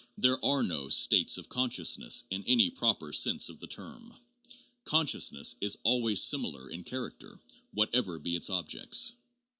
There are no states of consciousness in any proper sense of the term. Consciousness is always similar in character, whatever be its objects.